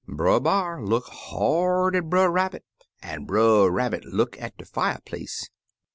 Brer B'ar look hard at Brer Rabbit an' Brer Rabbit look in de fierplace.